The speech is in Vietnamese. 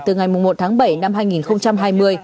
từ ngày một tháng bảy năm hai nghìn hai mươi